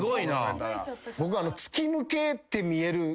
僕。